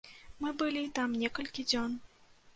Мы былі там некалькі дзён.